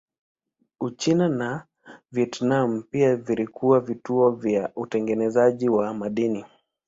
Uchina na Vietnam pia vilikuwa vituo vya utengenezaji wa madini.